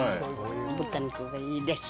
豚肉がいいです。